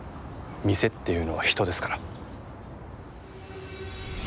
店っていうのは人ですから。